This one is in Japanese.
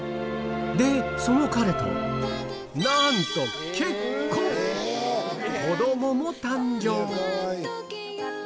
でその彼となんと子供も誕生